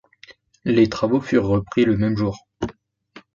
Les travaux furent repris le même jour.